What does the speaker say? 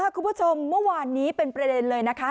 คุณผู้ชมเมื่อวานนี้เป็นประเด็นเลยนะคะ